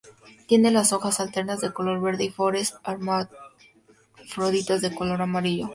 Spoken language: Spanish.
Tiene las hojas alternas de color verde y flores hermafroditas de color amarillo.